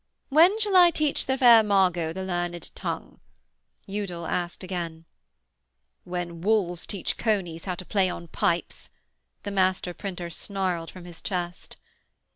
'When shall I teach the fair Margot the learned tongue?' Udal asked again. 'When wolves teach conies how to play on pipes,' the master printer snarled from his chest.